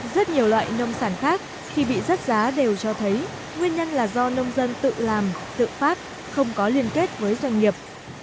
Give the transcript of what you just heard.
rất nhiều loại nông sản khác khi bị rớt giá đều cho thấy nguyên nhân là do nông dân tự làm tự phát không có liên kết với doanh nghiệp